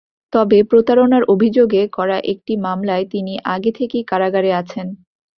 তবে প্রতারণার অভিযোগে করা একটি মামলায় তিনি আগে থেকেই কারাগারে আছেন।